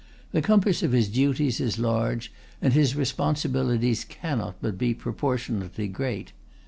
The compass of his duties is large, and his responsibilities cannot but be proportionately great.